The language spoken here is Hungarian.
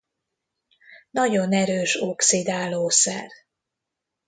Nagyon erős oxidálószer.